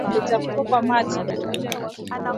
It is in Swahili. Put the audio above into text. Kutokwa mate